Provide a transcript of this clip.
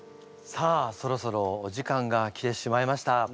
さあそろそろお時間がきてしまいました。